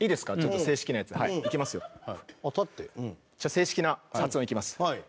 正式な発音いきます。